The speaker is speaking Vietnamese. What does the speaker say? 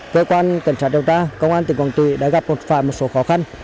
cơ quan cảnh sát điều tra công an tỉnh quảng trị đã gặp một số khó khăn